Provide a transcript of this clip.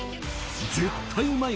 絶対うまい